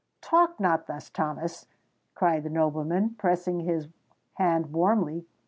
"Talk not thus, Thomas!" cried the nobleman, pressing his hand warmly.